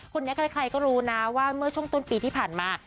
คนนี้ใครก็รู้นะว่าเมื่อช่วงต้นปีที่ผ่านมา